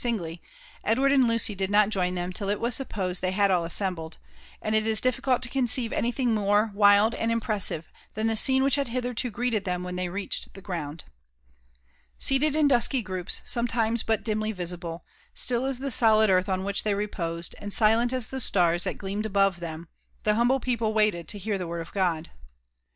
singly, fidw^^l^nd ^oy did not join them till it was supposed Hiey had sU Msembkd; jywlst jp difficult to conceive anything more wild and impi;^ssiva.tban 4be scfi^ whicli hsid bitheiprto greeted them wJiea diey rMched ihe ground. Sealed in dusky groups, sometimes bpt dimly visible, still ^ the so» lid earth on which they reposed, and silent as ibe jtars that gleaoand above them, the bumble people waited to bear ihid wprd of God.